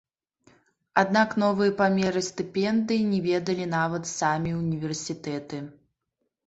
Аднак новыя памеры стыпендый не ведалі нават самі ўніверсітэты.